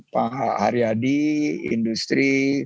pak haryadi industri